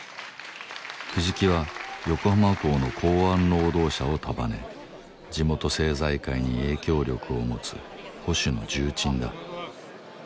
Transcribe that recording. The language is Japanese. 藤木は横浜港の港湾労働者を束ね地元政財界に影響力を持つ保守の重鎮だ。